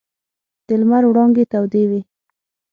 د لمر وړانګې تودې وې.